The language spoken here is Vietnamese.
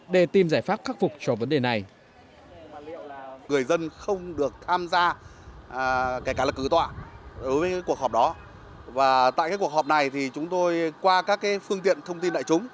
để tìm giải pháp khắc phục cho vấn đề này